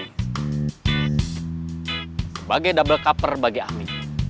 sebagai double cooper bagi ami